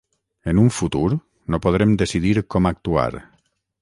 En un futur no podrem decidir com actuar.